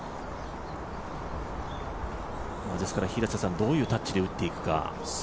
ですからどういうタッチで打っていくか。